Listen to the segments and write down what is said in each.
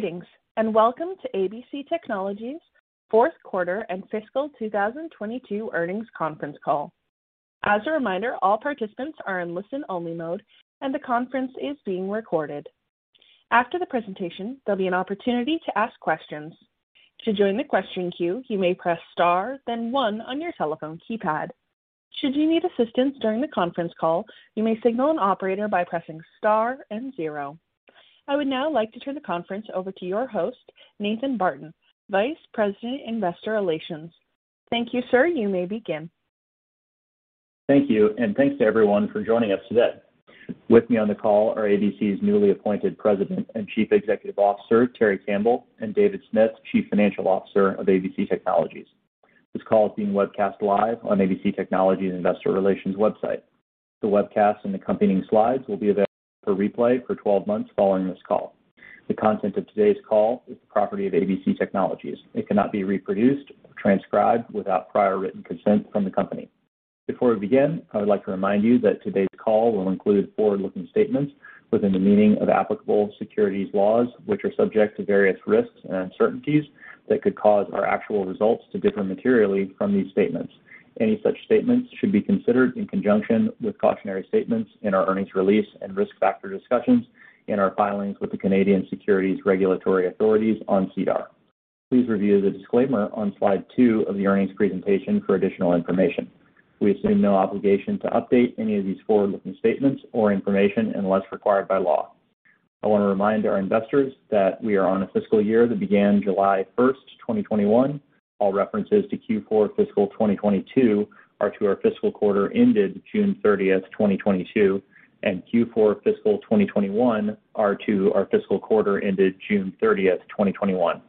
Greetings, and welcome to ABC Technologies Q4 and fiscal 2022 earnings conference call. As a reminder, all participants are in listen-only mode, and the conference is being recorded. After the presentation, there'll be an opportunity to ask questions. To join the question queue, you may press star, then one on your telephone keypad. Should you need assistance during the conference call, you may signal an operator by pressing star and zero. I would now like to turn the conference over to your host, Nathan Barton, Vice President, Investor Relations. Thank you, sir. You may begin. Thank you, and thanks to everyone for joining us today. With me on the call are ABC's newly appointed President and Chief Executive Officer, Terry Campbell, and David Smith, Chief Financial Officer of ABC Technologies. This call is being webcast live on ABC Technologies Investor Relations website. The webcast and accompanying slides will be available for replay for 12 months following this call. The content of today's call is the property of ABC Technologies. It cannot be reproduced or transcribed without prior written consent from the company. Before we begin, I would like to remind you that today's call will include forward-looking statements within the meaning of applicable securities laws, which are subject to various risks and uncertainties that could cause our actual results to differ materially from these statements. Any such statements should be considered in conjunction with cautionary statements in our earnings release and risk factor discussions in our filings with the Canadian Securities Regulatory Authorities on SEDAR. Please review the disclaimer on slide two of the earnings presentation for additional information. We assume no obligation to update any of these forward-looking statements or information unless required by law. I wanna remind our investors that we are on a fiscal year that began July 1, 2021. All references to Q4 fiscal 2022 are to our fiscal quarter ended June 30, 2022, and Q4 fiscal 2021 are to our fiscal quarter ended June 30, 2021.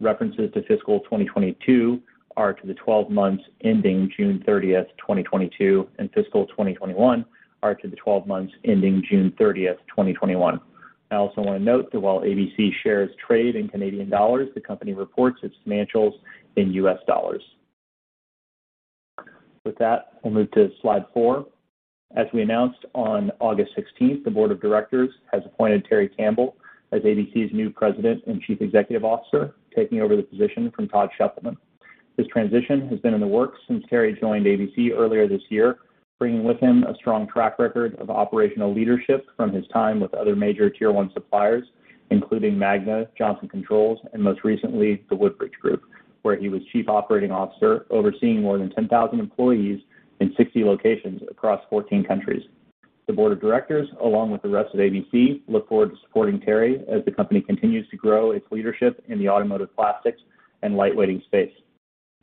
References to fiscal 2022 are to the 12 months ending June 30, 2022, and fiscal 2021 are to the 12 months ending June 30, 2021. I also wanna note that while ABC shares trade in Canadian dollars, the company reports its financials in US dollars. With that, we'll move to slide 4. As we announced on August sixteenth, the board of directors has appointed Terry Campbell as ABC's new president and chief executive officer, taking over the position from Todd Sheppelman. This transition has been in the works since Terry joined ABC earlier this year, bringing with him a strong track record of operational leadership from his time with other major Tier One suppliers, including Magna, Johnson Controls, and most recently, the Woodbridge Group, where he was chief operating officer overseeing more than 10,000 employees in 60 locations across 14 countries. The board of directors, along with the rest of ABC, look forward to supporting Terry as the company continues to grow its leadership in the automotive plastics and lightweighting space.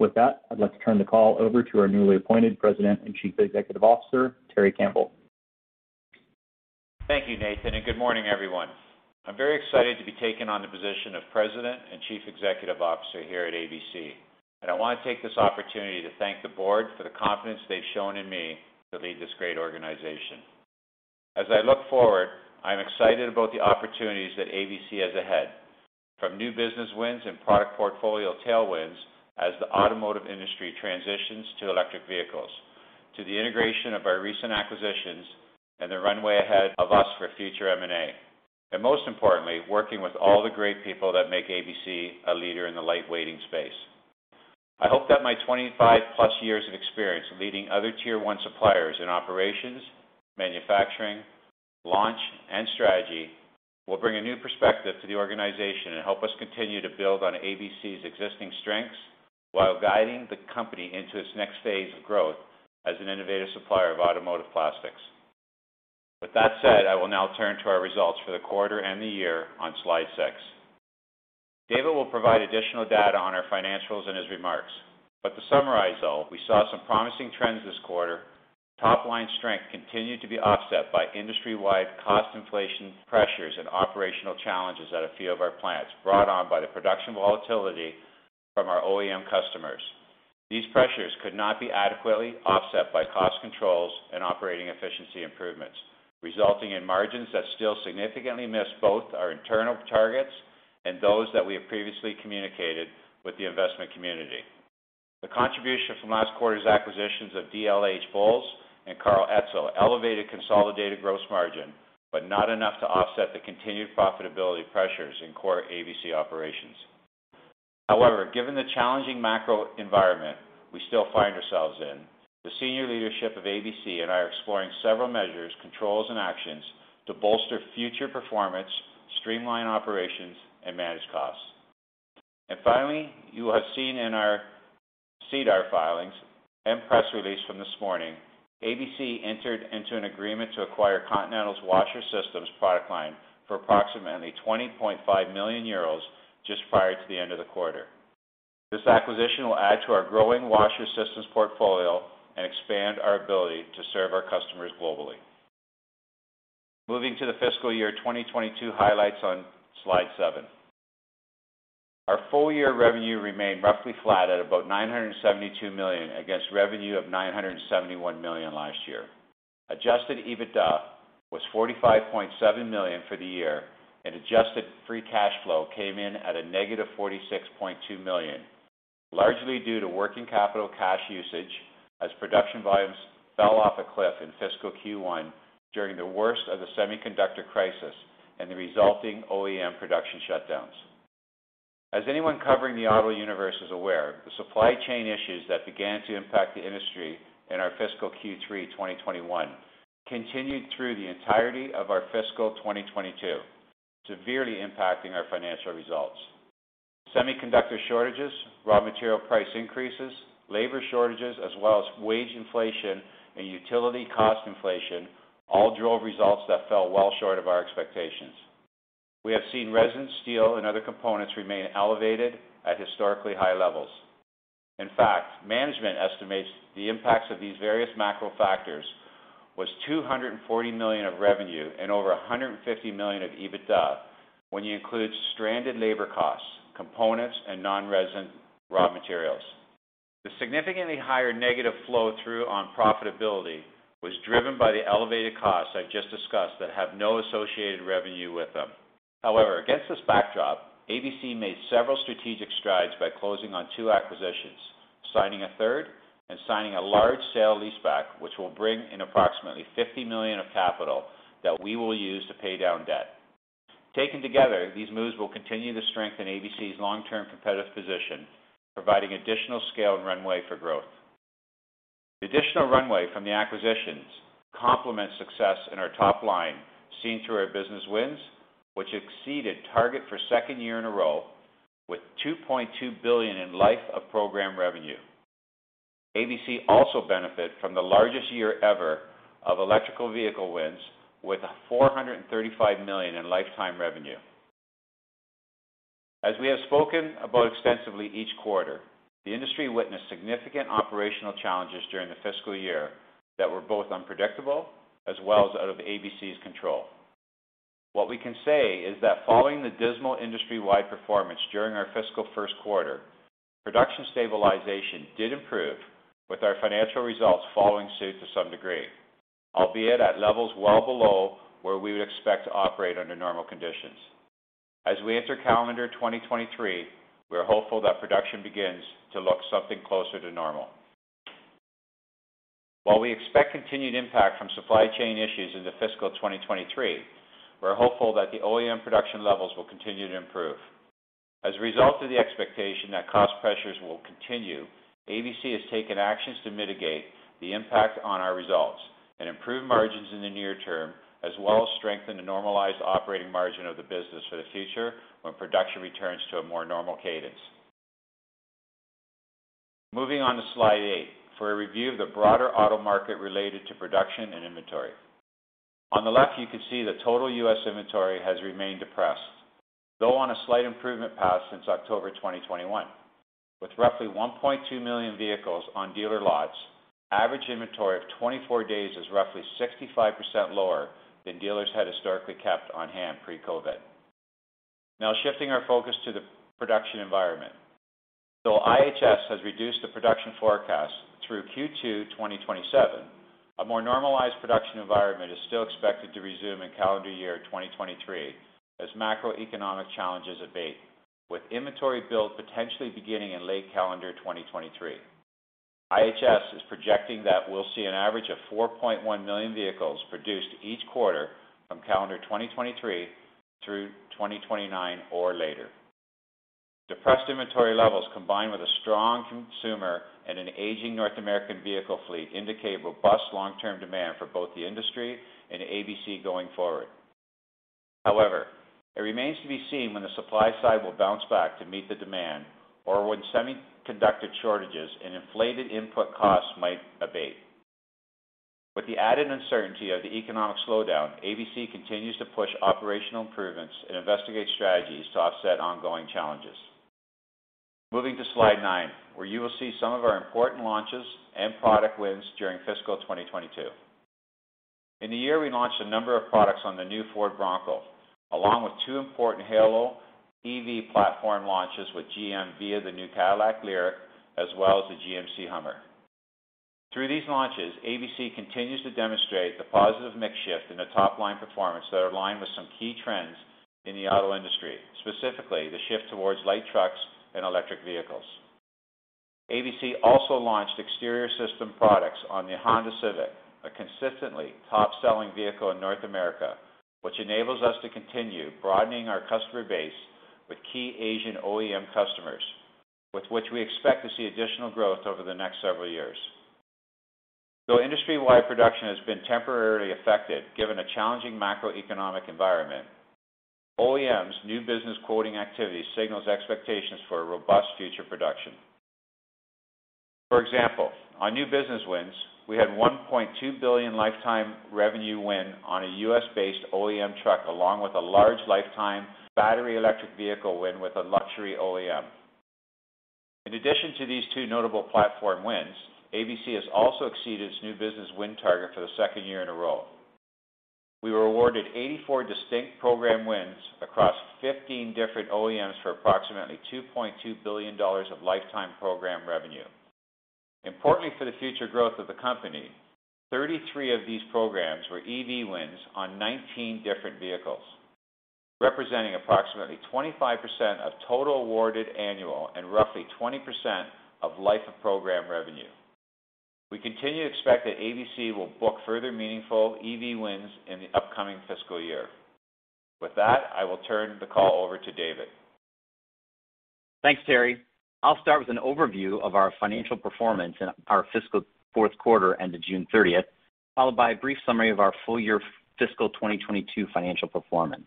With that, I'd like to turn the call over to our newly appointed President and Chief Executive Officer, Terry Campbell. Thank you, Nathan, and good morning, everyone. I'm very excited to be taking on the position of president and chief executive officer here at ABC, and I want to take this opportunity to thank the board for the confidence they've shown in me to lead this great organization. As I look forward, I'm excited about the opportunities that ABC has ahead. From new business wins and product portfolio tailwinds as the automotive industry transitions to electric vehicles, to the integration of our recent acquisitions and the runway ahead of us for future M&A, and most importantly, working with all the great people that make ABC a leader in the lightweighting space. I hope that my 25+ years of experience leading other Tier One suppliers in operations, manufacturing, launch, and strategy will bring a new perspective to the organization and help us continue to build on ABC's existing strengths while guiding the company into its next phase of growth as an innovative supplier of automotive plastics. With that said, I will now turn to our results for the quarter and the year on slide 6. David will provide additional data on our financials in his remarks. To summarize, though, we saw some promising trends this quarter. Top-line strength continued to be offset by industry-wide cost inflation pressures and operational challenges at a few of our plants, brought on by the production volatility from our OEM customers. These pressures could not be adequately offset by cost controls and operating efficiency improvements, resulting in margins that still significantly miss both our internal targets and those that we have previously communicated with the investment community. The contribution from last quarter's acquisitions of dlhBOWLES and Karl Etzel elevated consolidated gross margin, but not enough to offset the continued profitability pressures in core ABC operations. However, given the challenging macro environment we still find ourselves in, the senior leadership of ABC and I are exploring several measures, controls, and actions to bolster future performance, streamline operations, and manage costs. Finally, you will have seen in our SEDAR filings and press release from this morning, ABC entered into an agreement to acquire Continental's washer systems product line for approximately 20.5 million euros just prior to the end of the quarter. This acquisition will add to our growing washer systems portfolio and expand our ability to serve our customers globally. Moving to the fiscal year 2022 highlights on slide 7. Our full-year revenue remained roughly flat at about $972 million against revenue of $971 million last year. Adjusted EBITDA was $45.7 million for the year, and adjusted free cash flow came in at a -$46.2 million. Largely due to working capital cash usage as production volumes fell off a cliff in fiscal Q1 during the worst of the semiconductor crisis and the resulting OEM production shutdowns. As anyone covering the auto universe is aware, the supply chain issues that began to impact the industry in our fiscal Q3 2021 continued through the entirety of our fiscal 2022, severely impacting our financial results. Semiconductor shortages, raw material price increases, labor shortages, as well as wage inflation and utility cost inflation all drove results that fell well short of our expectations. We have seen resin, steel, and other components remain elevated at historically high levels. In fact, management estimates the impacts of these various macro factors was $240 million of revenue and over $150 million of EBITDA when you include stranded labor costs, components, and non-resin raw materials. The significantly higher negative flow through on profitability was driven by the elevated costs I've just discussed that have no associated revenue with them. However, against this backdrop, ABC made several strategic strides by closing on two acquisitions, signing a third, and signing a large sale-leaseback, which will bring in approximately $50 million of capital that we will use to pay down debt. Taken together, these moves will continue to strengthen ABC's long-term competitive position, providing additional scale and runway for growth. The additional runway from the acquisitions complement success in our top line, seen through our business wins, which exceeded target for second year in a row with $2.2 billion in life of program revenue. ABC also benefit from the largest year ever of electric vehicle wins with $435 million in lifetime revenue. As we have spoken about extensively each quarter, the industry witnessed significant operational challenges during the fiscal year that were both unpredictable as well as out of ABC's control. What we can say is that following the dismal industry-wide performance during our fiscal Q1, production stabilization did improve, with our financial results following suit to some degree, albeit at levels well below where we would expect to operate under normal conditions. As we enter calendar 2023, we are hopeful that production begins to look something closer to normal. While we expect continued impact from supply chain issues into fiscal 2023, we're hopeful that the OEM production levels will continue to improve. As a result of the expectation that cost pressures will continue, ABC has taken actions to mitigate the impact on our results and improve margins in the near term, as well as strengthen the normalized operating margin of the business for the future when production returns to a more normal cadence. Moving on to slide 8 for a review of the broader auto market related to production and inventory. On the left, you can see the total U.S. inventory has remained depressed, though on a slight improvement path since October 2021. With roughly 1.2 million vehicles on dealer lots, average inventory of 24 days is roughly 65% lower than dealers had historically kept on hand pre-COVID. Now shifting our focus to the production environment. Though IHS has reduced the production forecast through Q2 2027, a more normalized production environment is still expected to resume in calendar year 2023 as macroeconomic challenges abate, with inventory build potentially beginning in late calendar 2023. IHS is projecting that we'll see an average of 4.1 million vehicles produced each quarter from calendar 2023 through 2029 or later. Depressed inventory levels combined with a strong consumer and an aging North American vehicle fleet indicate robust long-term demand for both the industry and ABC going forward. However, it remains to be seen when the supply side will bounce back to meet the demand or when semiconductor shortages and inflated input costs might abate. With the added uncertainty of the economic slowdown, ABC continues to push operational improvements and investigate strategies to offset ongoing challenges. Moving to slide 9, where you will see some of our important launches and product wins during fiscal 2022. In the year, we launched a number of products on the new Ford Bronco, along with two important halo EV platform launches with GM via the new Cadillac LYRIQ, as well as the GMC HUMMER. Through these launches, ABC continues to demonstrate the positive mix shift in the top-line performance that are aligned with some key trends in the auto industry, specifically the shift towards light trucks and electric vehicles. ABC also launched exterior system products on the Honda Civic, a consistently top-selling vehicle in North America, which enables us to continue broadening our customer base with key Asian OEM customers, with which we expect to see additional growth over the next several years. Though industry-wide production has been temporarily affected given a challenging macroeconomic environment, OEM's new business quoting activity signals expectations for a robust future production. For example, on new business wins, we had $1.2 billion lifetime revenue win on a U.S.-based OEM truck, along with a large lifetime battery electric vehicle win with a luxury OEM. In addition to these two notable platform wins, ABC has also exceeded its new business win target for the second year in a row. We were awarded 84 distinct program wins across 15 different OEMs for approximately $2.2 billion of lifetime program revenue. Importantly for the future growth of the company, 33 of these programs were EV wins on 19 different vehicles, representing approximately 25% of total awarded annual and roughly 20% of life of program revenue. We continue to expect that ABC will book further meaningful EV wins in the upcoming fiscal year. With that, I will turn the call over to David. Thanks, Terry. I'll start with an overview of our financial performance in our fiscal Q4 end of June 30, followed by a brief summary of our full-year fiscal 2022 financial performance.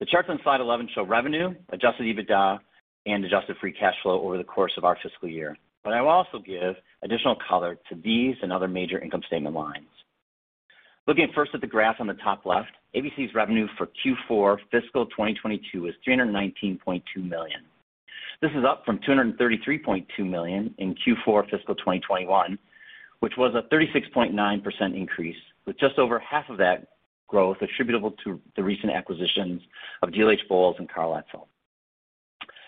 The charts on slide 11 show revenue, adjusted EBITDA, and adjusted free cash flow over the course of our fiscal year. I will also give additional color to these and other major income statement lines. Looking first at the graph on the top left, ABC's revenue for Q4 fiscal 2022 was CAD 319.2 million. This is up from CAD 233.2 million in Q4 fiscal 2021, which was a 36.9% increase, with just over half of that growth attributable to the recent acquisitions of dlhBOWLES and Karl Etzel.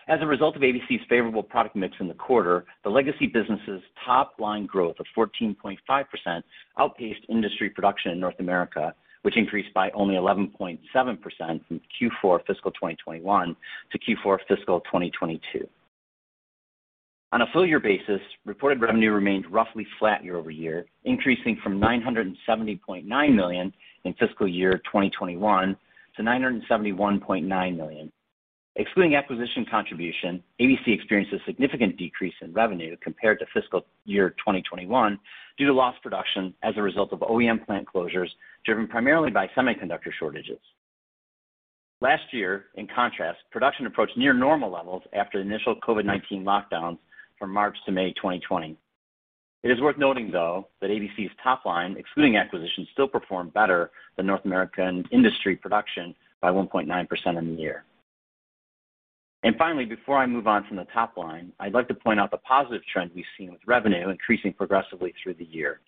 As a result of ABC's favorable product mix in the quarter, the legacy business's top-line growth of 14.5% outpaced industry production in North America, which increased by only 11.7% from Q4 fiscal 2021 to Q4 fiscal 2022. On a full year basis, reported revenue remained roughly flat year over year, increasing from $970.9 million in fiscal year 2021 to $971.9 million. Excluding acquisition contribution, ABC experienced a significant decrease in revenue compared to fiscal year 2021 due to lost production as a result of OEM plant closures, driven primarily by semiconductor shortages. Last year, in contrast, production approached near normal levels after the initial COVID-19 lockdowns from March to May 2020. It is worth noting, though, that ABC's top line, excluding acquisitions, still performed better than North American industry production by 1.9% in the year. Finally, before I move on from the top line, I'd like to point out the positive trend we've seen with revenue increasing progressively through the year.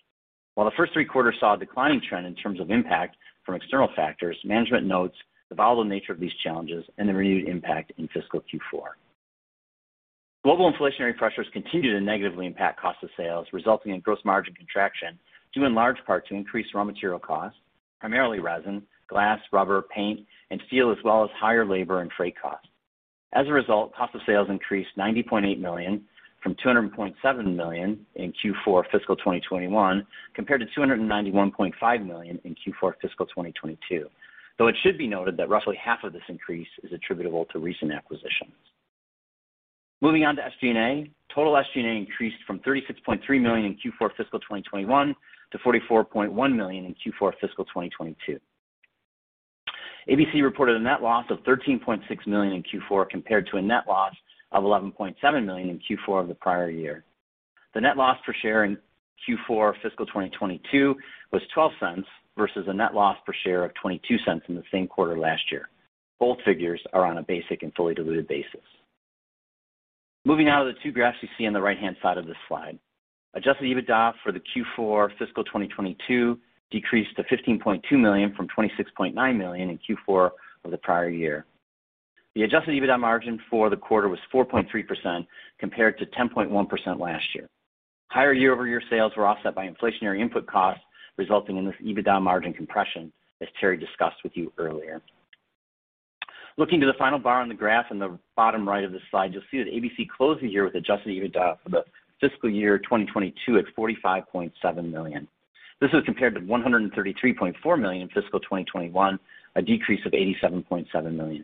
While the first three quarters saw a declining trend in terms of impact from external factors, management notes the volatile nature of these challenges and the renewed impact in fiscal Q4. Global inflationary pressures continued to negatively impact cost of sales, resulting in gross margin contraction, due in large part to increased raw material costs, primarily resin, glass, rubber, paint, and steel, as well as higher labor and freight costs. As a result, cost of sales increased $90.8 million from $200.7 million in Q4 fiscal 2021 compared to $291.5 million in Q4 fiscal 2022, though it should be noted that roughly half of this increase is attributable to recent acquisitions. Moving on to SG&A. Total SG&A increased from $36.3 million in Q4 fiscal 2021 to $44.1 million in Q4 fiscal 2022. ABC reported a net loss of $13.6 million in Q4, compared to a net loss of $11.7 million in Q4 of the prior year. The net loss per share in Q4 fiscal 2022 was $0.12 versus a net loss per share of $0.22 in the same quarter last year. Both figures are on a basic and fully diluted basis. Moving now to the two graphs you see on the right-hand side of this slide. Adjusted EBITDA for the Q4 fiscal 2022 decreased to $15.2 million from $26.9 million in Q4 of the prior year. The adjusted EBITDA margin for the quarter was 4.3% compared to 10.1% last year. Higher year-over-year sales were offset by inflationary input costs, resulting in this EBITDA margin compression, as Terry discussed with you earlier. Looking to the final bar on the graph in the bottom right of this slide, you'll see that ABC closed the year with adjusted EBITDA for the fiscal year 2022 at $45.7 million. This was compared to $133.4 million in fiscal 2021, a decrease of $87.7 million.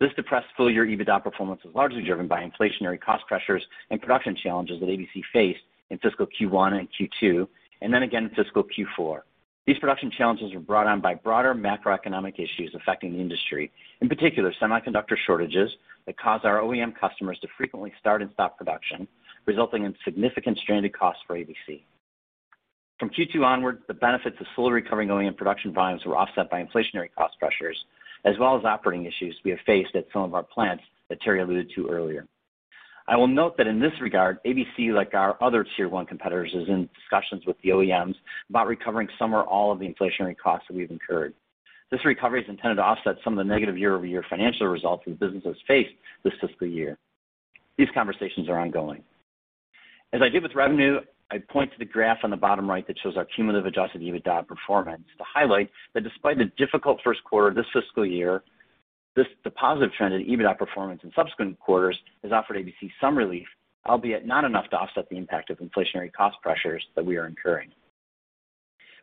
This depressed full year EBITDA performance was largely driven by inflationary cost pressures and production challenges that ABC faced in fiscal Q1 and Q2 and then again in fiscal Q4. These production challenges were brought on by broader macroeconomic issues affecting the industry, in particular, semiconductor shortages that caused our OEM customers to frequently start and stop production, resulting in significant stranded costs for ABC. From Q2 onwards, the benefits of slowly recovering OEM production volumes were offset by inflationary cost pressures as well as operating issues we have faced at some of our plants that Terry alluded to earlier. I will note that in this regard, ABC, like our other Tier One competitors, is in discussions with the OEMs about recovering some or all of the inflationary costs that we've incurred. This recovery is intended to offset some of the negative year-over-year financial results that the business has faced this fiscal year. These conversations are ongoing. As I did with revenue, I point to the graph on the bottom right that shows our cumulative adjusted EBITDA performance to highlight that despite the difficult Q1 this fiscal year, this, the positive trend in EBITDA performance in subsequent quarters has offered ABC some relief, albeit not enough to offset the impact of inflationary cost pressures that we are incurring.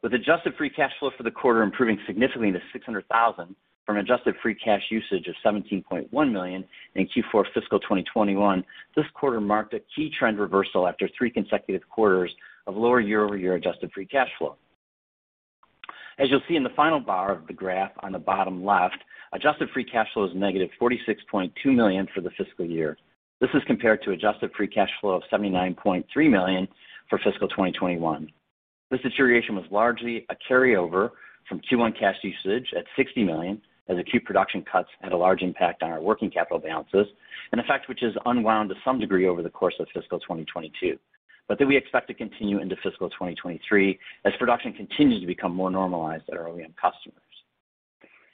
With adjusted free cash flow for the quarter improving significantly to $600,000 from an adjusted free cash usage of $17.1 million in Q4 fiscal 2021, this quarter marked a key trend reversal after three consecutive quarters of lower year-over-year adjusted free cash flow. As you'll see in the final bar of the graph on the bottom left, adjusted free cash flow is -$46.2 million for the fiscal year. This is compared to adjusted free cash flow of $79.3 million for fiscal 2021. This deterioration was largely a carryover from Q1 cash usage at $60 million, as acute production cuts had a large impact on our working capital balances, an effect which has unwound to some degree over the course of fiscal 2022, but that we expect to continue into fiscal 2023 as production continues to become more normalized at our OEM customers.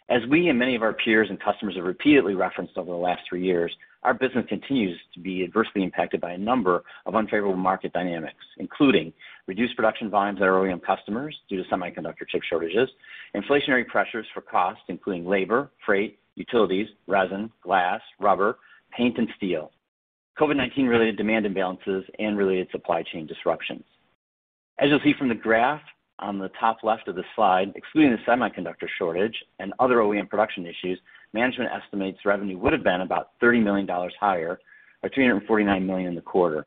As we and many of our peers and customers have repeatedly referenced over the last three years, our business continues to be adversely impacted by a number of unfavorable market dynamics, including reduced production volumes at our OEM customers due to semiconductor chip shortages, inflationary pressures for cost, including labor, freight, utilities, resin, glass, rubber, paint, and steel, COVID-19 related demand imbalances and related supply chain disruptions. As you'll see from the graph on the top left of the slide, excluding the semiconductor shortage and other OEM production issues, management estimates revenue would have been about $30 million higher or $349 million in the quarter.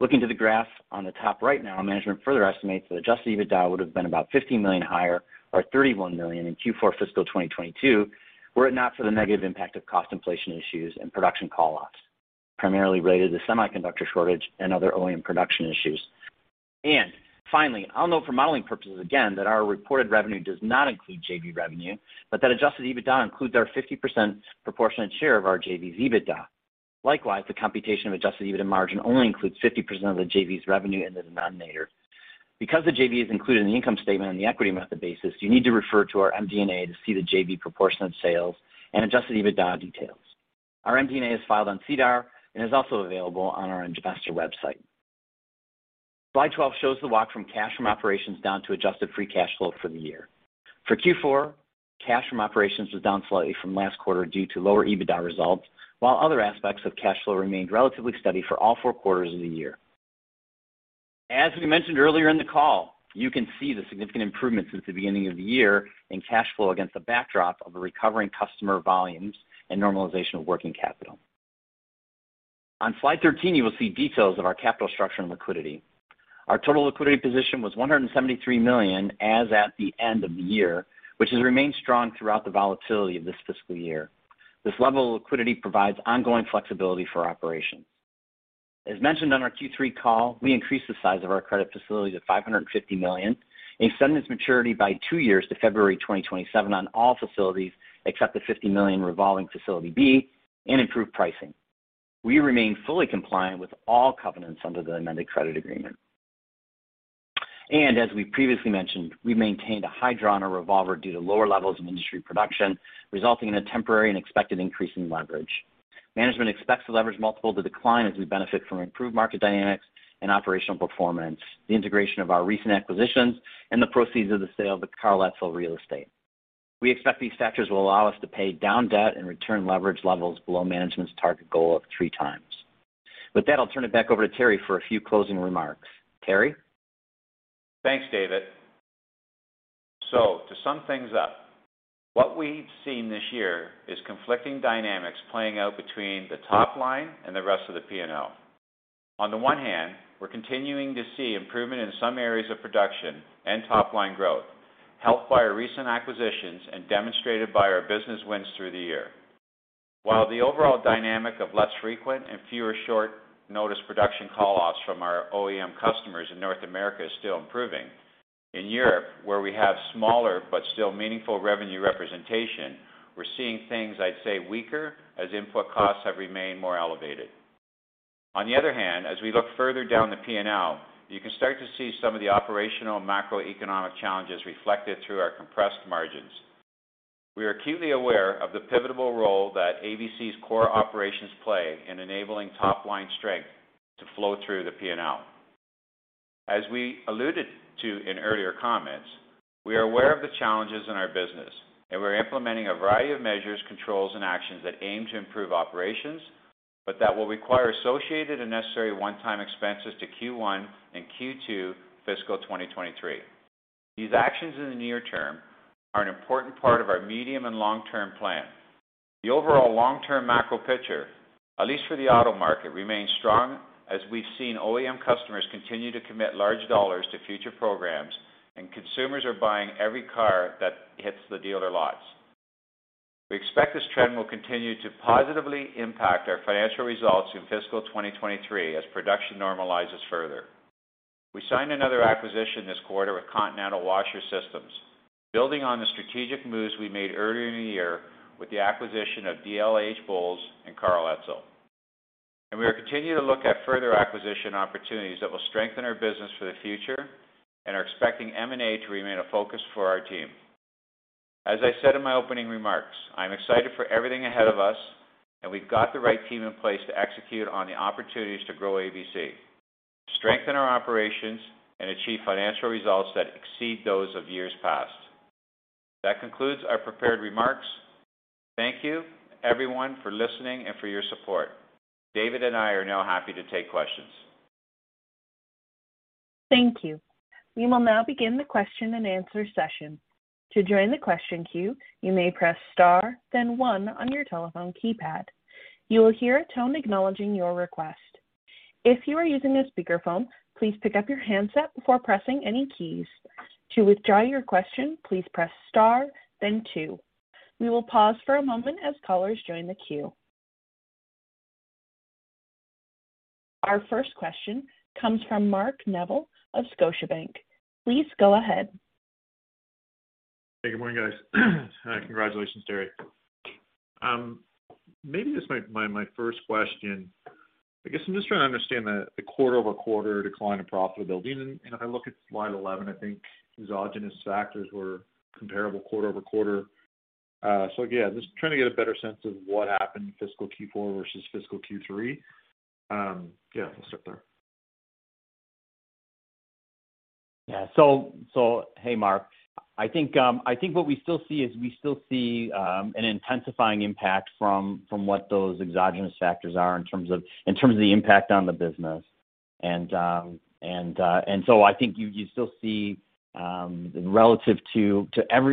Looking to the graph on the top right now, management further estimates that adjusted EBITDA would have been about $15 million higher or $31 million in Q4 fiscal 2022, were it not for the negative impact of cost inflation issues and production call-offs, primarily related to semiconductor shortage and other OEM production issues. Finally, I'll note for modeling purposes, again, that our reported revenue does not include JV revenue, but that adjusted EBITDA includes our 50% proportionate share of our JV's EBITDA. Likewise, the computation of adjusted EBITDA margin only includes 50% of the JV's revenue in the denominator. Because the JV is included in the income statement on the equity method basis, you need to refer to our MD&A to see the JV proportionate sales and adjusted EBITDA details. Our MD&A is filed on SEDAR and is also available on our investor website. Slide 12 shows the walk from cash from operations down to adjusted free cash flow for the year. For Q4, cash from operations was down slightly from last quarter due to lower EBITDA results, while other aspects of cash flow remained relatively steady for all four quarters of the year. As we mentioned earlier in the call, you can see the significant improvements since the beginning of the year in cash flow against the backdrop of a recovering customer volumes and normalization of working capital. On Slide 13, you will see details of our capital structure and liquidity. Our total liquidity position was $173 million as at the end of the year, which has remained strong throughout the volatility of this fiscal year. This level of liquidity provides ongoing flexibility for operations. As mentioned on our Q3 call, we increased the size of our credit facility to $550 million, extended its maturity by two years to February 2027 on all facilities except the $50 million Revolving Facility B and improved pricing. We remain fully compliant with all covenants under the amended credit agreement. As we previously mentioned, we maintained a high draw on our revolver due to lower levels of industry production, resulting in a temporary and expected increase in leverage. Management expects the leverage multiple to decline as we benefit from improved market dynamics and operational performance, the integration of our recent acquisitions and the proceeds of the sale of the Karl Etzel real estate. We expect these factors will allow us to pay down debt and return leverage levels below management's target goal of 3x. With that, I'll turn it back over to Terry for a few closing remarks. Terry? Thanks, David. To sum things up, what we've seen this year is conflicting dynamics playing out between the top line and the rest of the P&L. On the one hand, we're continuing to see improvement in some areas of production and top-line growth, helped by our recent acquisitions and demonstrated by our business wins through the year. While the overall dynamic of less frequent and fewer short notice production call-offs from our OEM customers in North America is still improving, in Europe, where we have smaller but still meaningful revenue representation, we're seeing things I'd say weaker as input costs have remained more elevated. On the other hand, as we look further down the P&L, you can start to see some of the operational macroeconomic challenges reflected through our compressed margins. We are acutely aware of the pivotal role that ABC's core operations play in enabling top-line strength to flow through the P&L. As we alluded to in earlier comments, we are aware of the challenges in our business, and we're implementing a variety of measures, controls, and actions that aim to improve operations, but that will require associated and necessary one-time expenses to Q1 and Q2 fiscal 2023. These actions in the near term are an important part of our medium and long-term plan. The overall long-term macro picture, at least for the auto market, remains strong as we've seen OEM customers continue to commit large dollars to future programs and consumers are buying every car that hits the dealer lots. We expect this trend will continue to positively impact our financial results in fiscal 2023 as production normalizes further. We signed another acquisition this quarter with Continental Automotive GmbH Washer Systems, building on the strategic moves we made earlier in the year with the acquisition of dlhBOWLES and Karl Etzel GmbH. We are continuing to look at further acquisition opportunities that will strengthen our business for the future and are expecting M&A to remain a focus for our team. As I said in my opening remarks, I'm excited for everything ahead of us, and we've got the right team in place to execute on the opportunities to grow ABC, strengthen our operations, and achieve financial results that exceed those of years past. That concludes our prepared remarks. Thank you, everyone, for listening and for your support. David and I are now happy to take questions. Thank you. We will now begin the question and answer session. To join the question queue, you may press star then one on your telephone keypad. You will hear a tone acknowledging your request. If you are using a speakerphone, please pick up your handset before pressing any keys. To withdraw your question, please press star then two. We will pause for a moment as callers join the queue. Our first question comes from Mark Neville of Scotiabank. Please go ahead. Hey, good morning, guys. Hi, congratulations, Terry. Maybe just my first question, I guess I'm just trying to understand the quarter-over-quarter decline in profitability. You know, if I look at slide 11, I think exogenous factors were comparable quarter-over-quarter. So again, just trying to get a better sense of what happened in fiscal Q4 versus fiscal Q3. We'll start there. Hey, Mark. What we still see is an intensifying impact from what those exogenous factors are in terms of the impact on the business. You still see relative to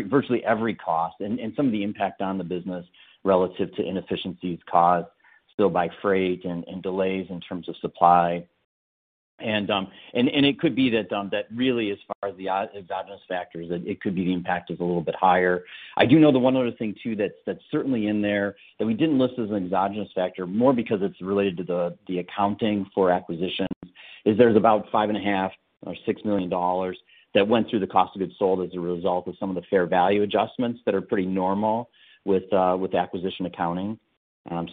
virtually every cost and some of the impact on the business relative to inefficiencies caused still by freight and delays in terms of supply. It could be that really as far as the exogenous factors, that it could be the impact is a little bit higher. I do know the one other thing too that's certainly in there that we didn't list as an exogenous factor, more because it's related to the accounting for acquisitions, is there's about $5.5 or $6 million that went through the cost of goods sold as a result of some of the fair value adjustments that are pretty normal with acquisition accounting.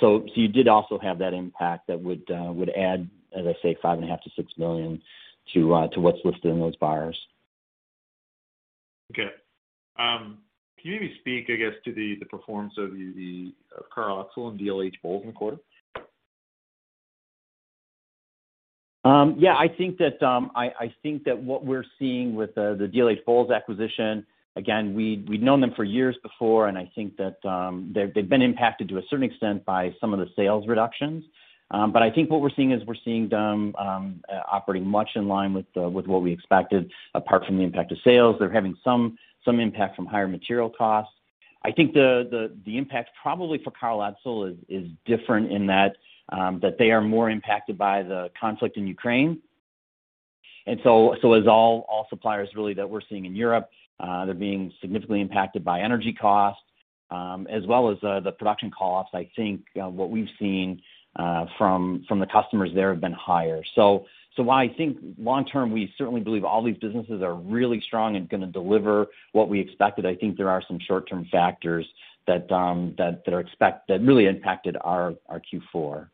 So you did also have that impact that would add, as I say, $5.5-$6 million to what's listed in those lines. Can you maybe speak, to the performance of the Karl Etzel and dlhBOWLES in the quarter? Yeah, that what we're seeing with the dlhBOWLES acquisition, again, we'd known them for years before, and that they've been impacted to a certain extent by some of the sales reductions. But I think what we're seeing is we're seeing them operating much in line with what we expected. Apart from the impact of sales, they're having some impact from higher material costs. The impact probably for Karl Etzel is different in that that they are more impacted by the conflict in Ukraine. As all suppliers really that we're seeing in Europe, they're being significantly impacted by energy costs, as well as the production costs. What we've seen from the customers there have been higher. While I think long term, we certainly believe all these businesses are really strong and gonna deliver what we expected, I think there are some short-term factors that really impacted our Q4.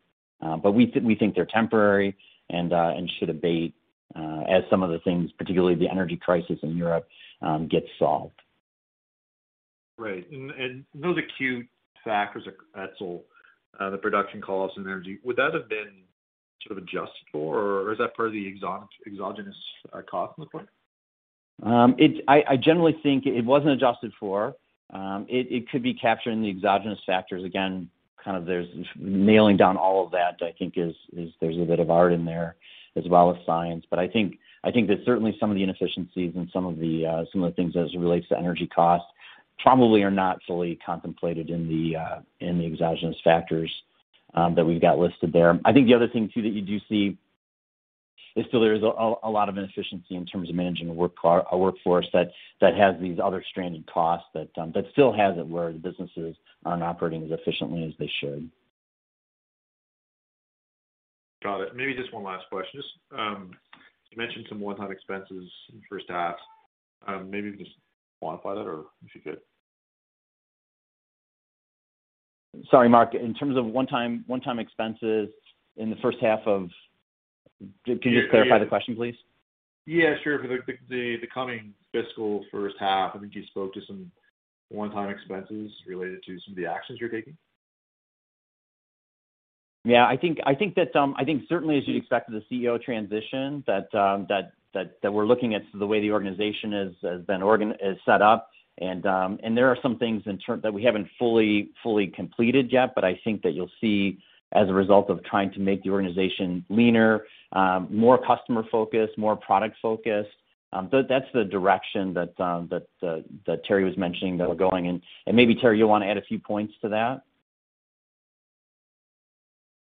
We think they're temporary and should abate as some of the things, particularly the energy crisis in Europe, gets solved. Right. Those acute factors at Karl Etzel, the production costs and energy, would that have been sort of adjusted for, or is that part of the exogenous cost at this point? I generally think it wasn't adjusted for. It could be capturing the exogenous factors. Again, kind of, nailing down all of that, I think there's a bit of art in there as well as science. I think that certainly some of the inefficiencies and some of the things as it relates to energy costs probably are not fully contemplated in the exogenous factors that we've got listed there. I think the other thing too that you do see is still there's a lot of inefficiency in terms of managing the workforce that has these other stranded costs that still has it where the businesses aren't operating as efficiently as they should. Got it. Maybe just one last question. Just, you mentioned some one-time expenses in the first half. Maybe you can just quantify that or if you could? Sorry, Mark. In terms of one term expenses in the first half of... Can you just clarify the question, please? Yeah, sure. The coming fiscal first half, you spoke to some one-time expenses related to some of the actions you're taking. Yeah. Certainly as you'd expect with a CEO transition, that we're looking at the way the organization is set up and there are some things that we haven't fully completed yet, but I think that you'll see as a result of trying to make the organization leaner, more customer-focused, more product-focused. That's the direction that Terry was mentioning that we're going in. Maybe, Terry, you'll wanna add a few points to that.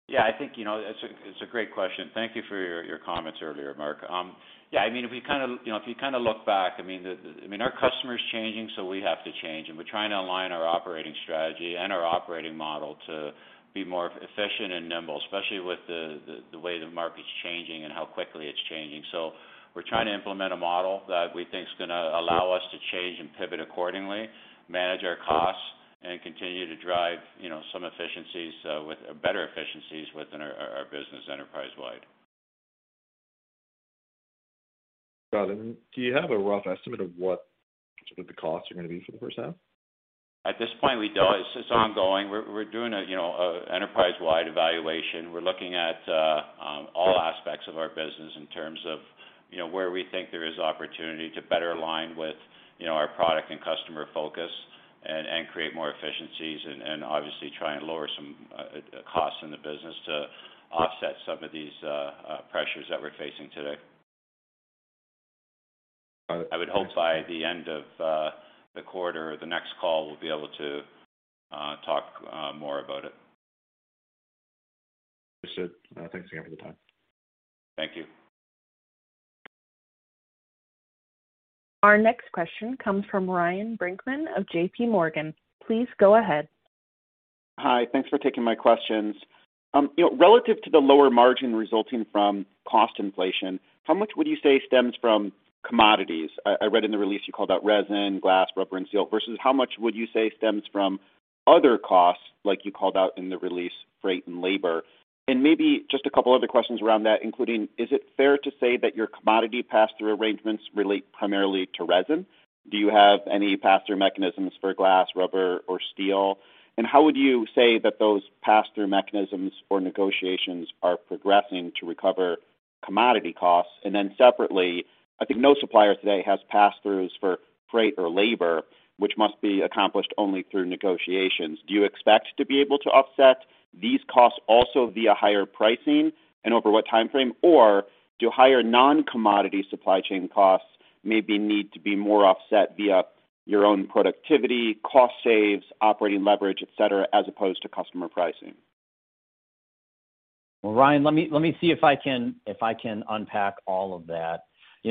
Yeah. It's a great question. Thank you for your comments earlier, Mark. Yeah, our customer is changing, so we have to change. We're trying to align our operating strategy and our operating model to be more efficient and nimble, especially with the way the market's changing and how quickly it's changing. We're trying to implement a model that we think is gonna allow us to change and pivot accordingly, manage our costs, and continue to drive some efficiencies with better efficiencies within our business enterprise-wide. Got it. Do you have a rough estimate of what some of the costs are gonna be for the first half? At this point, we don't. It's ongoing. We're doing a you know a enterprise-wide evaluation. We're looking at all aspects of our business in terms of you know where we think there is opportunity to better align with you know our product and customer focus and create more efficiencies and obviously try and lower some costs in the business to offset some of these pressures that we're facing today. Got it. I would hope by the end of the quarter or the next call, we'll be able to talk more about it. Appreciate it. Thanks again for the time. Thank you. Our next question comes from Ryan Brinkman of J.P. Morgan. Please go ahead. Hi. Thanks for taking my questions. Relative to the lower margin resulting from cost inflation, how much would you say stems from commodities? I read in the release you called out resin, glass, rubber, and steel versus how much would you say stems from other costs, like you called out in the release, freight and labor. Maybe just a couple other questions around that, including is it fair to say that your commodity pass-through arrangements relate primarily to resin? Do you have any pass-through mechanisms for glass, rubber or steel? How would you say that those pass-through mechanisms or negotiations are progressing to recover commodity costs? Then separately, I think no supplier today has pass-throughs for freight or labor, which must be accomplished only through negotiations. Do you expect to be able to offset these costs also via higher pricing, and over what timeframe? Do higher non-commodity supply chain costs maybe need to be more offset via your own productivity, cost saves, operating leverage, et cetera, as opposed to customer pricing? Well, Ryan, let me see if I can unpack all of that.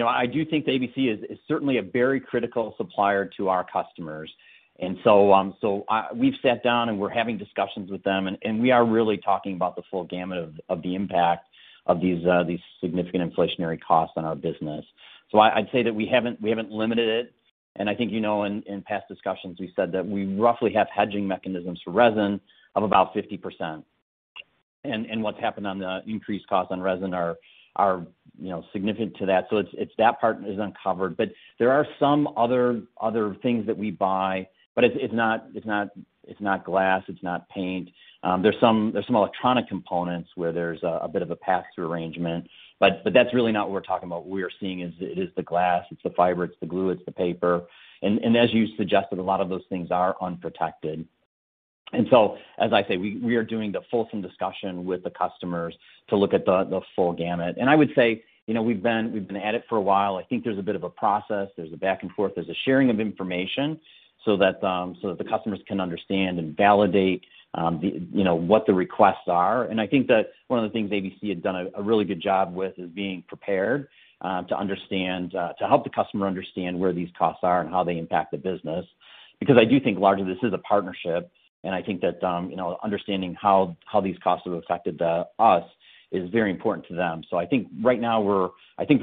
I do think ABC is certainly a very critical supplier to our customers. We've sat down and we're having discussions with them, and we are really talking about the full gamut of the impact of these significant inflationary costs on our business. I'd say that we haven't limited it. In past discussions we said that we roughly have hedging mechanisms for resin of about 50%. What's happened on the increased cost on resin are significant to that. It's that part is uncovered. There are some other things that we buy, but it's not glass, it's not paint. There's some electronic components where there's a bit of a pass-through arrangement. That's really not what we're talking about. What we are seeing is it is the glass, it's the fiber, it's the glue, it's the paper. As you suggested, a lot of those things are unprotected. As I say, we are doing the fulsome discussion with the customers to look at the full gamut. I would say we've been at it for a while. I think there's a bit of a process. There's a back and forth. There's a sharing of information so that, so that the customers can understand and validate what the requests are. I think that one of the things ABC had done a really good job with is being prepared to help the customer understand where these costs are and how they impact the business. Because I do think largely this is a partnership, and I think that understanding how these costs have affected us is very important to them. We're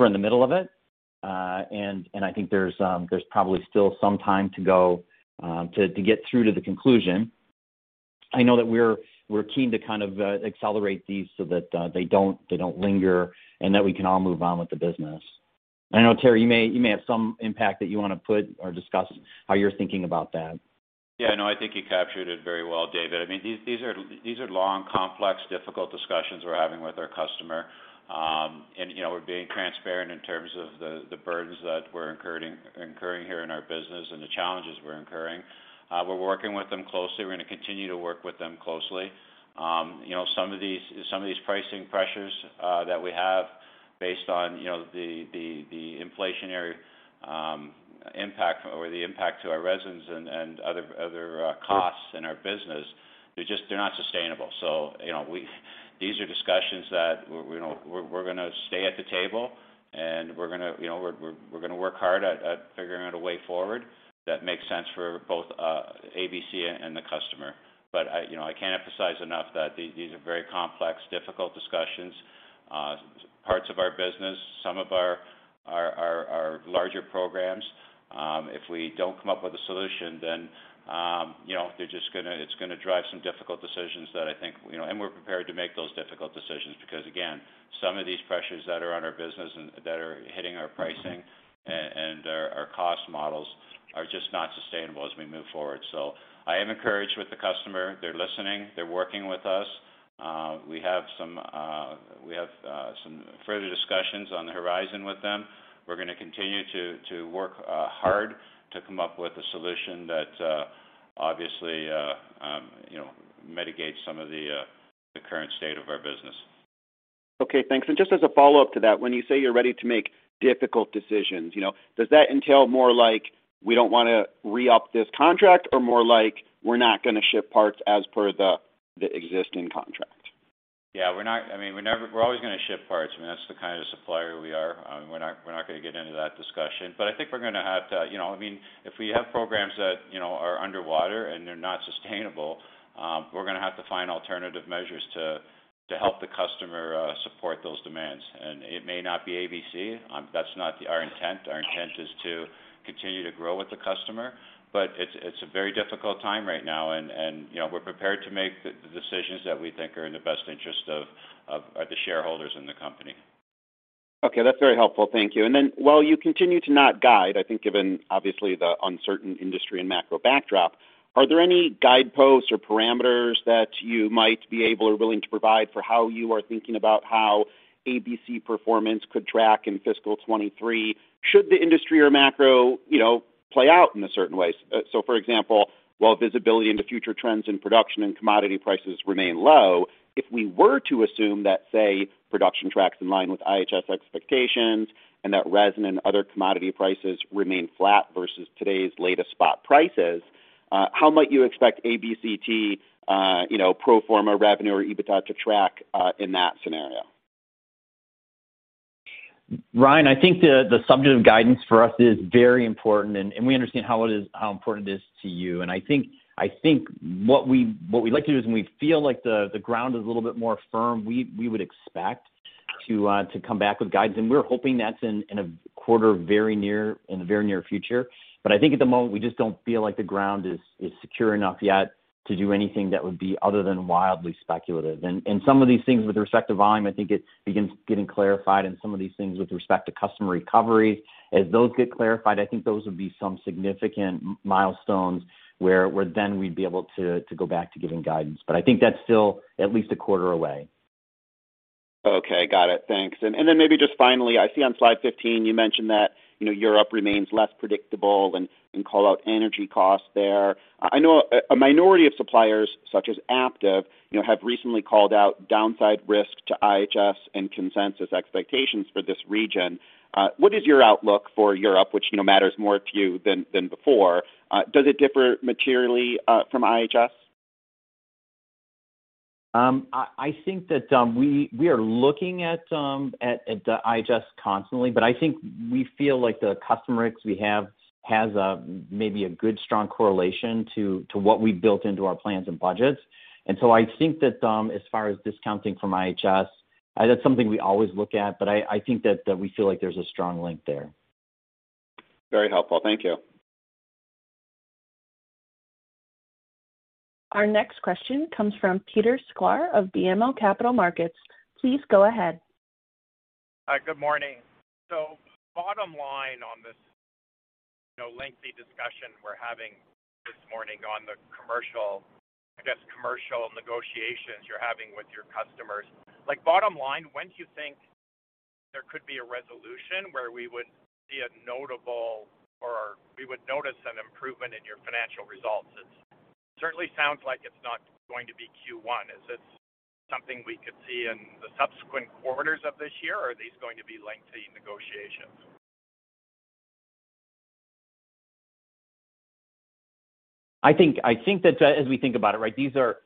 in the middle of it. I think there's probably still some time to go to get through to the conclusion. I know that we're keen to kind of accelerate these so that they don't linger, and that we can all move on with the business. I know, Terry, you may have some impact that you wanna put or discuss how you're thinking about that. Yeah. No, I think you captured it very well, David. I mean, these are long, complex, difficult discussions we're having with our customer. You know, we're being transparent in terms of the burdens that we're incurring here in our business and the challenges we're incurring. We're working with them closely. We're gonna continue to work with them closely. Some of these pricing pressures that we have based on the inflationary impact or the impact to our resins and other costs in our business, they're just not sustainable. These are discussions that we're gonna stay at the table, and we're gonna work hard at figuring out a way forward that makes sense for both, ABC and the customer. I can't emphasize enough that these are very complex, difficult discussions. Some parts of our business, some of our larger programs, if we don't come up with a solution then, it's gonna drive some difficult decisions that I think. We're prepared to make those difficult decisions because, again, some of these pressures that are on our business and that are hitting our pricing and our cost models are just not sustainable as we move forward. I am encouraged with the customer. They're listening. They're working with us. We have some further discussions on the horizon with them. We're gonna continue to work hard to come up with a solution that obviously you know mitigates some of the current state of our business. Okay, thanks. Just as a follow-up to that, when you say you're ready to make difficult decisions does that entail more like we don't wanna re-up this contract or more like we're not gonna ship parts as per the existing contract? Yeah. We're always gonna ship parts. That's the kind of supplier we are. We're not gonna get into that discussion. We're gonna have to. If we have programs that are underwater and they're not sustainable, we're gonna have to find alternative measures to help the customer support those demands. It may not be ABC, that's not our intent. Our intent is to continue to grow with the customer. It's a very difficult time right now and you know, we're prepared to make the decisions that we think are in the best interest of the shareholders and the company. Okay. That's very helpful. Thank you. While you continue to not guide, given obviously the uncertain industry and macro backdrop, are there any guideposts or parameters that you might be able or willing to provide for how you are thinking about how ABC performance could track in fiscal 2023 should the industry or macro play out in a certain way? For example, while visibility into future trends in production and commodity prices remain low, if we were to assume that, say, production tracks in line with IHS expectations and that resin and other commodity prices remain flat versus today's latest spot prices, how might you expect ABCT pro forma revenue or EBITDA to track, in that scenario? Ryan, I think the subject of guidance for us is very important, and we understand how important it is to you. I think what we like to do is when we feel like the ground is a little bit more firm, we would expect to come back with guidance. We're hoping that's in a quarter very near in the very near future. I think at the moment, we just don't feel like the ground is secure enough yet to do anything that would be other than wildly speculative. Some of these things with respect to volume, I think it begins getting clarified in some of these things with respect to customer recovery. As those get clarified, I think those would be some significant milestones where then we'd be able to go back to giving guidance. I think that's still at least a quarter away. Okay. Got it. Thanks. Maybe just finally, I see on slide 15, you mentioned that Europe remains less predictable than call out energy costs there. I know a minority of suppliers such as Aptiv have recently called out downside risk to IHS and consensus expectations for this region. What is your outlook for Europe, which you know, matters more to you than before? Does it differ materially from IHS? We are looking at the IHS constantly, but I think we feel like the customer risks we have has a maybe a good strong correlation to what we built into our plans and budgets. I think that as far as discounting from IHS, that's something we always look at, but we feel like there's a strong link there. Very helpful. Thank you. Our next question comes from Peter Sklar of BMO Capital Markets. Please go ahead. Hi. Good morning. Bottom line on this lengthy discussion we're having this morning on the commercial negotiations you're having with your customers. Like, bottom line, when do you think there could be a resolution where we would see a notable or we would notice an improvement in your financial results? It certainly sounds like it's not going to be Q1. Is it something we could see in the subsequent quarters of this year? Are these going to be lengthy negotiations? As we think about it, right, these are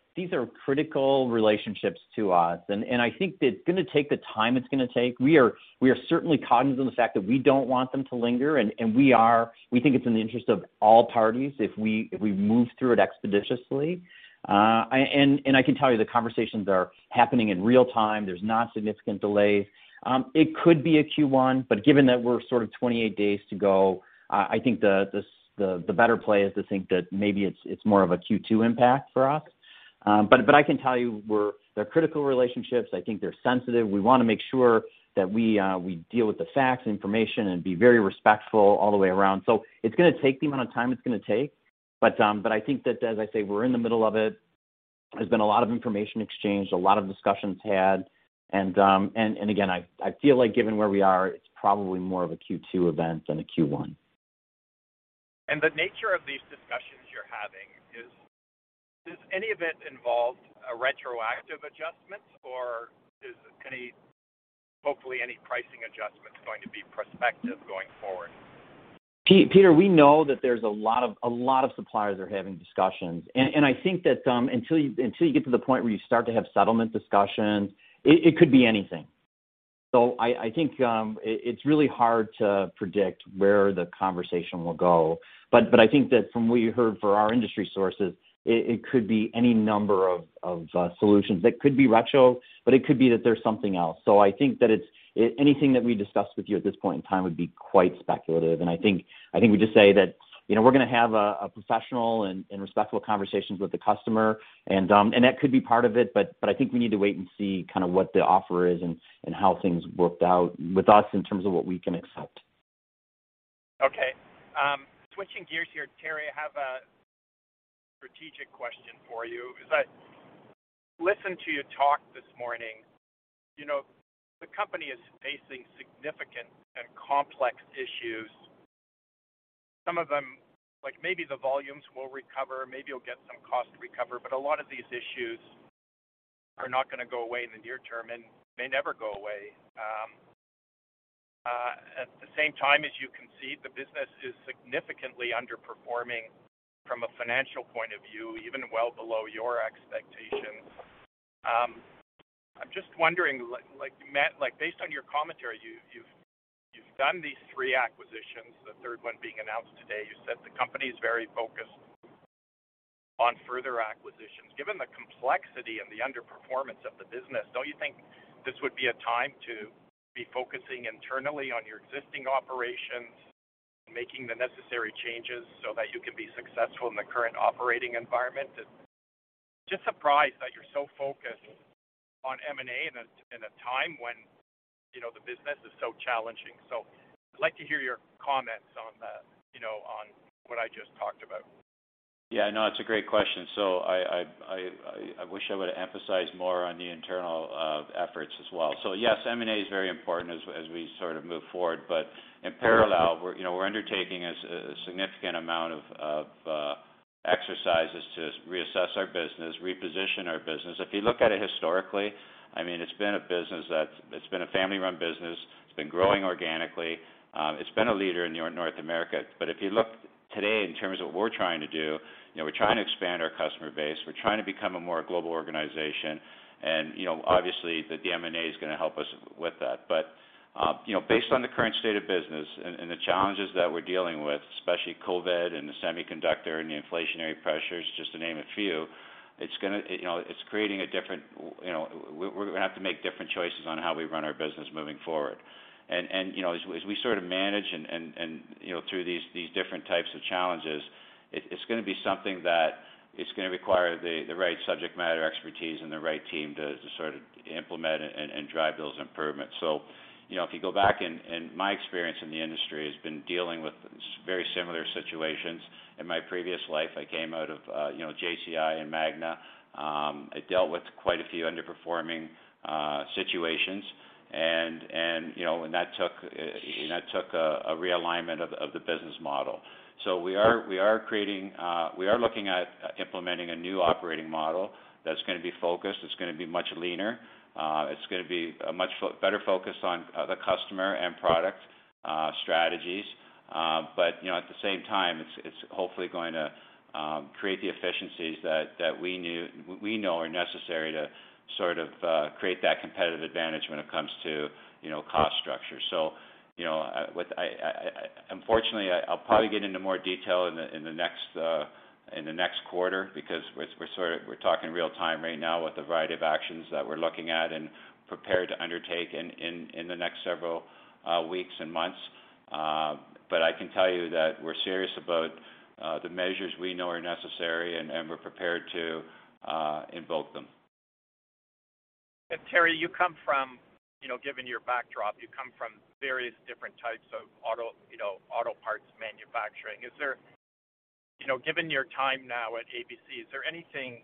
critical relationships to us. I think it's gonna take the time it's gonna take. We are certainly cognizant of the fact that we don't want them to linger, and we think it's in the interest of all parties if we move through it expeditiously. I can tell you the conversations are happening in real-time. There's no significant delays. It could be a Q1, but given that we're sort of 28 days to go, I think the better play is to think that maybe it's more of a Q2 impact for us. I can tell you they're critical relationships. I think they're sensitive. We wanna make sure that we deal with the facts, information, and be very respectful all the way around. It's gonna take the amount of time it's gonna take. I think that as I say, we're in the middle of it. There's been a lot of information exchanged, a lot of discussions had. And again, I feel like given where we are, it's probably more of a Q2 event than a Q1. The nature of these discussions you're having is, has any of it involved a retroactive adjustment or is any, hopefully any pricing adjustments going to be prospective going forward? Peter, we know that there are a lot of suppliers are having discussions. I think that until you get to the point where you start to have settlement discussions, it could be anything. I think it's really hard to predict where the conversation will go. I think that from what you heard from our industry sources, it could be any number of solutions. That could be retro, but it could be that there's something else. I think that anything that we discuss with you at this point in time would be quite speculative. We just say that we're gonna have a professional and respectful conversation with the customer and that could be part of it. We need to wait and see kind of what the offer is and how things worked out with us in terms of what we can accept. Okay. Switching gears here, Terry, I have a strategic question for you. As I listen to you talk this morning the company is facing significant and complex issues. Some of them, like maybe the volumes will recover, maybe you'll get some cost recovery. A lot of these issues are not gonna go away in the near term and may never go away. At the same time, as you can see, the business is significantly underperforming from a financial point of view, even well below your expectations. I'm just wondering, like, based on your commentary, you've done these three acquisitions, the third one being announced today. You said the company is very focused on further acquisitions. Given the complexity and the underperformance of the business, don't you think this would be a time to be focusing internally on your existing operations, making the necessary changes so that you can be successful in the current operating environment? Just surprised that you're so focused on M&A in a, in a time when the business is so challenging. I'd like to hear your comments on that, you know, on what I just talked about. Yeah, no, it's a great question. I wish I would emphasize more on the internal efforts as well. Yes, M&A is very important as we sort of move forward. In parallel, we're undertaking a significant amount of exercises to reassess our business, reposition our business. If you look at it historically, it's been a business that's it's been a family-run business. It's been growing organically. It's been a leader in North America. If you look today, in terms of what we're trying to do, you know, we're trying to expand our customer base. We're trying to become a more global organization, and obviously, the M&A is gonna help us with that. Based on the current state of business and the challenges that we're dealing with, especially COVID, and the semiconductor, and the inflationary pressures, just to name a few, you know, we're gonna have to make different choices on how we run our business moving forward. As we sort of manage and, through these different types of challenges, it's gonna be something that's gonna require the right subject matter expertise and the right team to sort of implement and drive those improvements. If you go back and my experience in the industry has been dealing with very similar situations. In my previous life, I came out of, you know, JCI and Magna. I dealt with quite a few underperforming situations and that took a realignment of the business model. We are creating. We are looking at implementing a new operating model that's gonna be focused, it's gonna be much leaner. It's gonna be a much better focus on the customer and product strategies. At the same time, it's hopefully going to create the efficiencies that we know are necessary to sort of create that competitive advantage when it comes to cost structure. You know, what I... Unfortunately, I'll probably get into more detail in the next quarter because we're sort of... We're talking real time right now with a variety of actions that we're looking at and prepared to undertake in the next several weeks and months. I can tell you that we're serious about the measures we know are necessary, and we're prepared to invoke them. Terry, you come from given your backdrop, you come from various different types of auto parts manufacturing. Given your time now at ABC, is there anything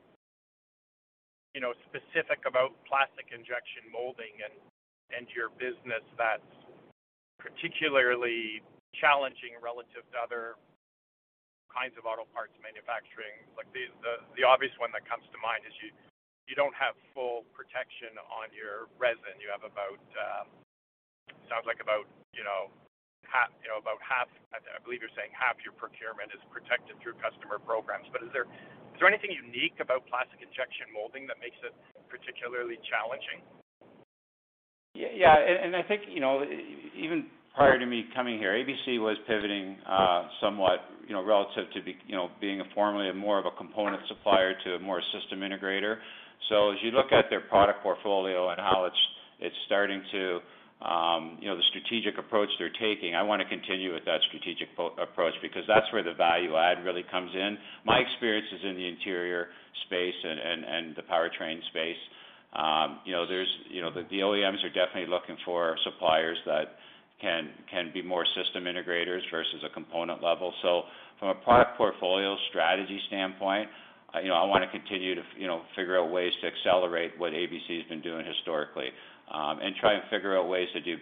specific about plastic injection molding and your business that's particularly challenging relative to other kinds of auto parts manufacturing? Like, the obvious one that comes to mind is you don't have full protection on your resin. You have about, sounds like about half. I believe you're saying half your procurement is protected through customer programs. Is there anything unique about plastic injection molding that makes it particularly challenging? Even prior to me coming here, ABC was pivoting somewhat relative to being formerly more of a component supplier to a more system integrator. As you look at their product portfolio and how it's starting to, the strategic approach they're taking, I want to continue with that strategic approach because that's where the value add really comes in. My experience is in the interior space and the powertrain space. The OEMs are definitely looking for suppliers that can be more system integrators versus a component level. From a product portfolio strategy standpoint, you know, I wanna continue to figure out ways to accelerate what ABC has been doing historically, and try and figure out ways to do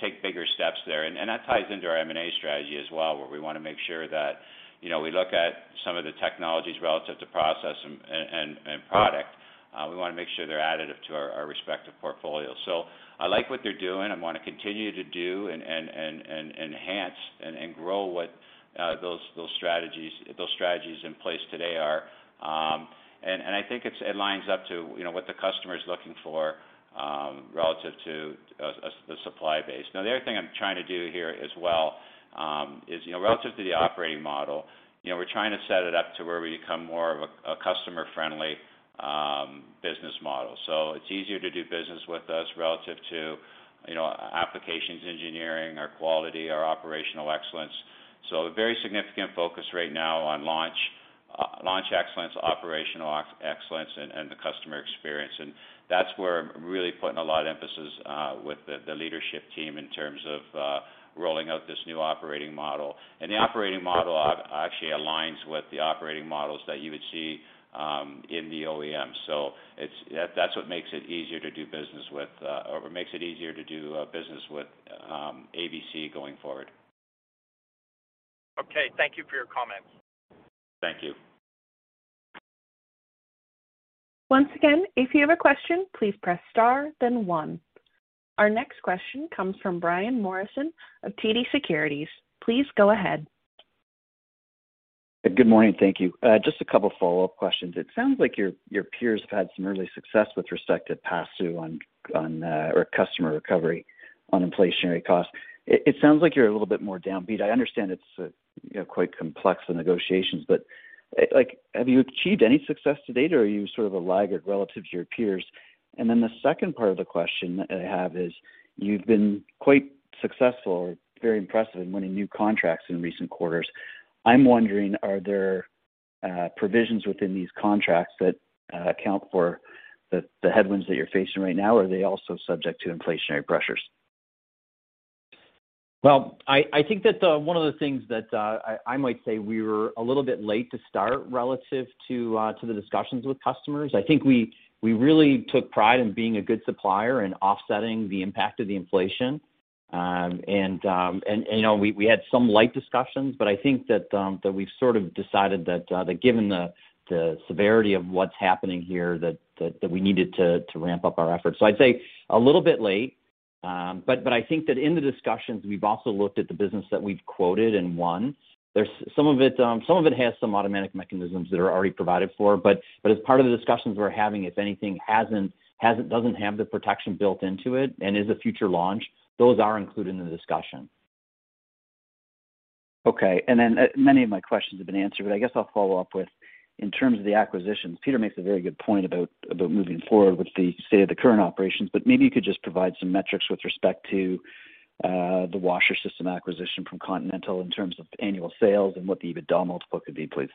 take bigger steps there. That ties into our M&A strategy as well, where we wanna make sure that we look at some of the technologies relative to process and product. We wanna make sure they're additive to our respective portfolios. I like what they're doing, I wanna continue to do and enhance and grow what those strategies in place today are. I think it lines up to, you know, what the customer's looking for, relative to a stable supply base. Now, the other thing I'm trying to do here as well is, you know, relative to the operating model we're trying to set it up to where we become more of a customer-friendly business model. It's easier to do business with us relative to, you know, applications engineering, our quality, our operational excellence. A very significant focus right now on launch excellence, operational excellence, and the customer experience. That's where I'm really putting a lot of emphasis with the leadership team in terms of rolling out this new operating model. The operating model actually aligns with the operating models that you would see in the OEM. That's what makes it easier to do business with ABC going forward. Okay, thank you for your comments. Thank you. Once again, if you have a question, please press star then one. Our next question comes from Brian Morrison of TD Securities. Please go ahead. Good morning. Thank you. Just a couple follow-up questions. It sounds like your peers have had some early success with respect to pass-through on or customer recovery on inflationary costs. It sounds like you're a little bit more downbeat. I understand it's, you know, quite complex, the negotiations. Like, have you achieved any success to date, or are you sort of a laggard relative to your peers? Then the second part of the question that I have is, you've been quite successful or very impressive in winning new contracts in recent quarters. I'm wondering, are there provisions within these contracts that account for the headwinds that you're facing right now, or are they also subject to inflationary pressures? Well, I think that one of the things that I might say we were a little bit late to start relative to the discussions with customers. We really took pride in being a good supplier and offsetting the impact of the inflation. We had some light discussions, but I think that we've sort of decided that given the severity of what's happening here, that we needed to ramp up our efforts. I'd say a little bit late, but in the discussions, we've also looked at the business that we've quoted and won. There's Some of it has some automatic mechanisms that are already provided for, but as part of the discussions we're having, if anything doesn't have the protection built into it and is a future launch, those are included in the discussion. Okay. Many of my questions have been answered, but I'll follow up with, in terms of the acquisitions, Peter makes a very good point about moving forward with the state of the current operations, but maybe you could just provide some metrics with respect to the washer system acquisition from Continental in terms of annual sales and what the EBITDA multiple could be, please?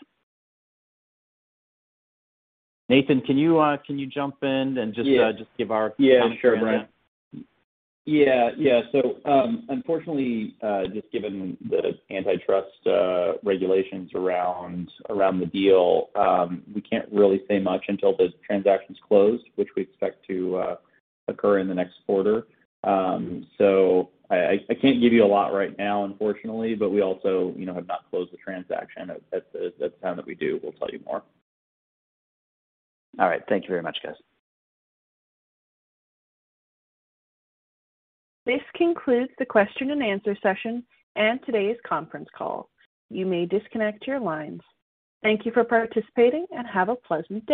Nathan, can you jump in and just. Yeah. -just give our- Yeah, sure, Brian. Yeah. Unfortunately, just given the antitrust regulations around the deal, we can't really say much until the transaction's closed, which we expect to occur in the next quarter. I can't give you a lot right now, unfortunately, but we also, you know, have not closed the transaction. At the time that we do, we'll tell you more. All right. Thank you very much, guys. This concludes the question and answer session and today's conference call. You may disconnect your lines. Thank you for participating, and have a pleasant day.